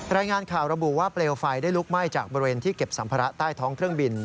รายงานข่าวระบุว่าเปลวไฟได้ลุกไหม้จากบริเวณที่เก็บสัมภาระใต้ท้องเครื่องบิน